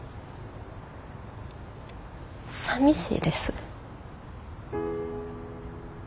さみしいです。